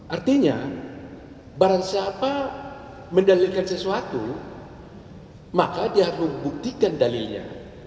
artinya barang siapa mendalilkan sesuatu maka dia harus buktikan dalilnya